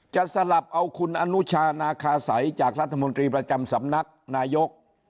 สลับเอาคุณอนุชานาคาสัยจากรัฐมนตรีประจำสำนักนายก